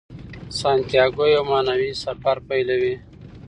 سانتیاګو یو معنوي سفر پیلوي.